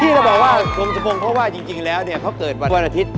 พี่จะบอกว่าดวงสมพงศ์เพราะว่าจริงแล้วเขาเกิดวันอาทิตย์